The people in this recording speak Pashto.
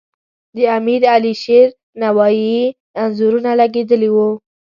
د امیر علیشیر نوایي انځورونه لګیدلي وو.